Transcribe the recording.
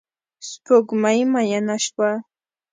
سپوږمۍ میینه شوه